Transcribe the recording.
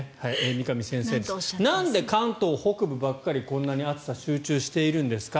三上先生なんで関東北部ばっかりこんなに暑さが集中しているんですか。